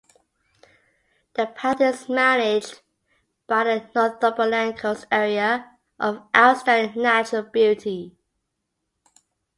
The path is managed by the Northumberland Coast Area of Outstanding Natural Beauty.